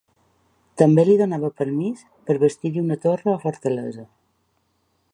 També li donava permís per bastir-hi una torre o fortalesa.